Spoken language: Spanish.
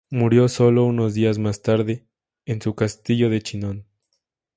Murió solo unos días más tarde, en su Castillo de Chinon.